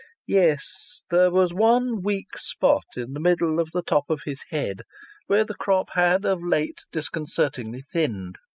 Yes, there was one weak spot in the middle of the top of his head, where the crop had of late disconcertingly thinned!